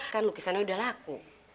kan lukisannya udah laku